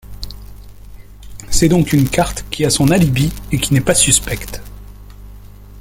C'est donc une carte qui a son alibi et qui n'est pas suspecte.